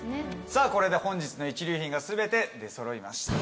さぁこれで本日の一流品が全て出そろいました。